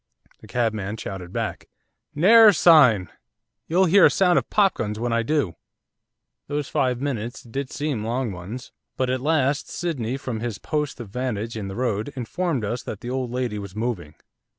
The cabman shouted back. 'Ne'er a sign, you'll hear a sound of popguns when I do.' Those five minutes did seem long ones. But at last Sydney, from his post of vantage in the road, informed us that the old lady was moving.